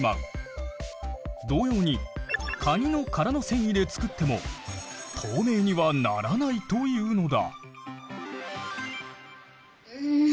同様にカニの殻の繊維で作っても透明にはならないというのだ。